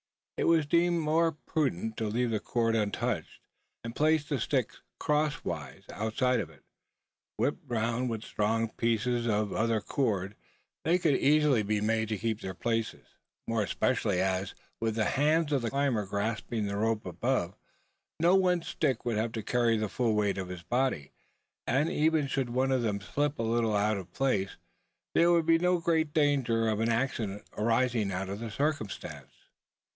It was deemed more prudent to leave the cord untouched, and place the sticks crosswise outside of it. Whipped round with strong pieces of other cord, they could easily be made to keep their places more especially as, with the hands of the climber grasping the rope above, no one stick would have to carry the full weight of his body; and, even should one of them slip a little out of place, there would be no great danger of an accident arising out of the circumstance.